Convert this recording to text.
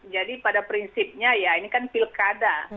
jadi pada prinsipnya ya ini kan pilkada